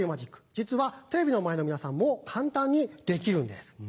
実はテレビの前の皆さんも簡単にできるんです。